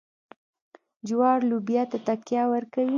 جوار لوبیا ته تکیه ورکوي.